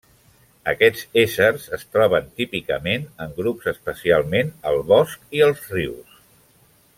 Aquests éssers es troben típicament en grups especialment al bosc i als rius.